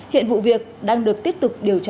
hiện vụ việc đang được tiếp tục điều tra